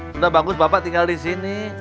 sudah bagus bapak tinggal disini